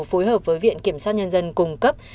phối hợp với viện kiểm sát nhân dân cung cấp